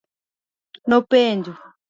Nopenjo.